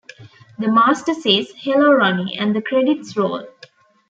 The Master says "Hello, Ronnie," and the credits roll.